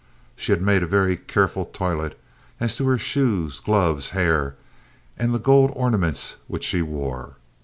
She had made a very careful toilet as to her shoes, gloves, hair, and the gold ornaments which she wore.